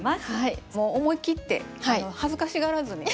もう思い切って恥ずかしがらずに。